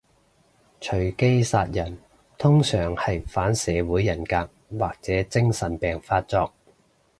隨機殺人通常係反社會人格或者精神病發作